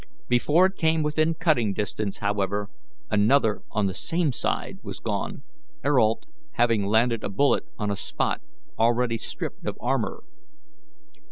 Before it came within cutting distance, however, another on the same side was gone, Ayrault having landed a bullet on a spot already stripped of armour.